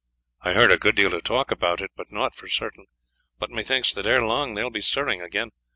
"I heard a good deal of talk about it, but naught for certain; but methinks that ere long they will be stirring again.